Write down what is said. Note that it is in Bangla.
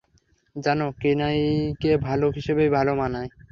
জানো, কিনাইকে ভালুক হিসেবেই ভালো মানায়।